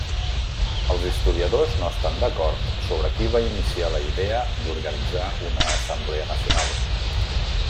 Els historiadors no estan d'acord sobre qui va iniciar la idea d'organitzar una assemblea nacional.